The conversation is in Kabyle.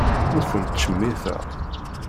Ur tent-ttcemmiteɣ.